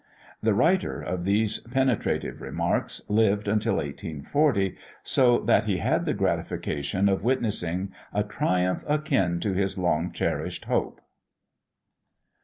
The writer of these penetrative remarks lived until 1840, so that he had the gratification of witnessing a triumph akin to his long cherished hope.